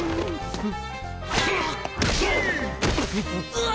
うわ！